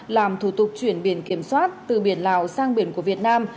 làm thủ tục chuyển biển kiểm soát từ biển lào sang biển của việt nam